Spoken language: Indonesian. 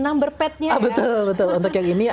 numberpad nya ya betul betul untuk yang ini